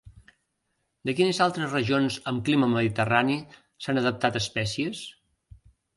De quines altres regions amb clima mediterrani s'han adaptat espècies?